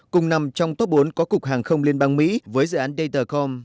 cùng nằm trong top bốn có cục hàng không liên bang mỹ với dự án dattacom